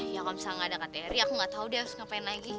ya kalau misalnya gak ada kak terry aku gak tahu deh harus ngapain lagi